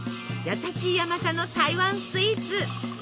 優しい甘さの台湾スイーツ。